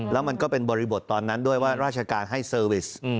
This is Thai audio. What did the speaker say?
แล้วมันก็เป็นบริบทตอนนั้นด้วยว่าราชการให้เซอร์วิส